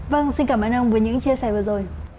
vâng xin cảm ơn ông với những chia sẻ vừa rồi